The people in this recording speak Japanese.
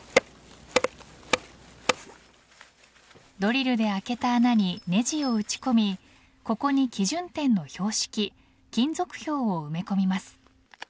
ドリルで開けた穴にねじを打ち込みここに基準点の標識金属標を埋め込みます。